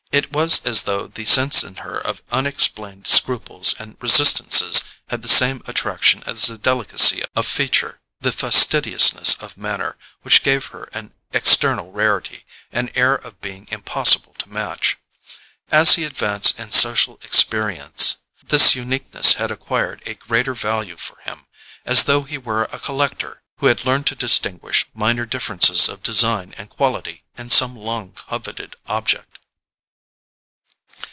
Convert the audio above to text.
It was as though the sense in her of unexplained scruples and resistances had the same attraction as the delicacy of feature, the fastidiousness of manner, which gave her an external rarity, an air of being impossible to match. As he advanced in social experience this uniqueness had acquired a greater value for him, as though he were a collector who had learned to distinguish minor differences of design and quality in some long coveted object.